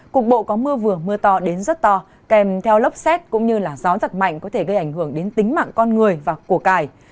cục bộ có mưa vừa mưa to đến rất to kèm theo lốc xét cũng như gió giật mạnh có thể gây ảnh hưởng đến tính mạng con người và của cải